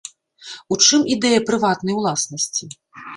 У чым ідэя прыватнай ўласнасці?